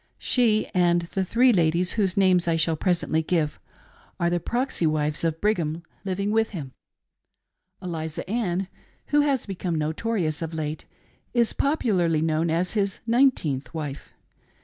She and the three ladies, whose names I shall'presently give, are the proxy wives of Brigham, living with him. Eliza Ann, who has become notorious of THE HIOH PjRIESTESS OF THE SAINTS. ;(9q kte, is popularly known as his nineteenth wife.